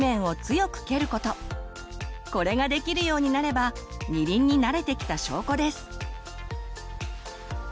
これができるようになれば二輪に慣れてきた証拠です！